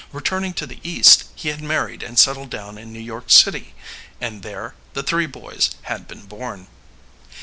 Returning to the East, he had married and settled down in New York City, and there, the three boys had been born.